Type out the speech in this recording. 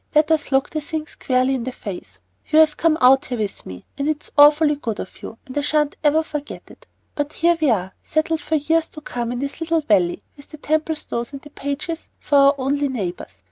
Let us look the thing squarely in the face. You've come out here with me, and it's awfully good of you and I sha'n't ever forget it; but here we are, settled for years to come in this little valley, with the Templestowes and Pages for our only neighbors.